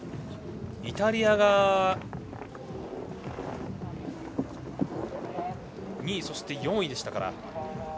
イタリアが２位、４位でしたから。